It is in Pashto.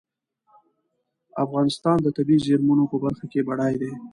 افغانستان د طبیعي زېرمونو په برخه کې بډای دی.